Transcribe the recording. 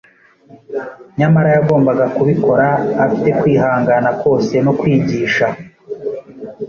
Nyamara yagombaga kubikora “afite kwihangana kose no kwigisha”